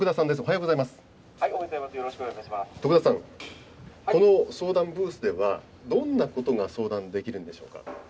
よろし徳田さん、この相談ブースではどんなことが相談できるんでしょうか。